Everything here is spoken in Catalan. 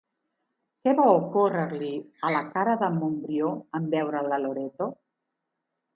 Què va ocórrer-li a la cara d'en Montbrió en veure la Loreto?